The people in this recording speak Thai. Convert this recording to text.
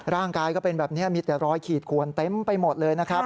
ร่างกายก็เป็นแบบนี้มีแต่รอยขีดขวนเต็มไปหมดเลยนะครับ